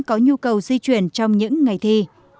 có nhu cầu di chuyển trong những ngày thi